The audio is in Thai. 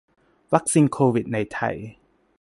วัคซีนโควิดในไทย